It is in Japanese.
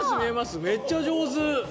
めっちゃ上手。